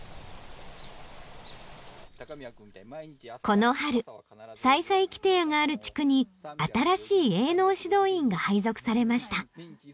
この春さいさいきて屋がある地区に新しい営農指導員が配属されました。